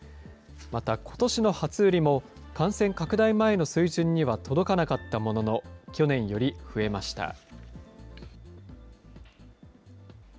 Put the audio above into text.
またことしの初売りも、感染拡大前の水準には届かなかったものの、去年より増えました。